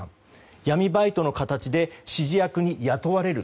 闇バイトの形で指示役に雇われる。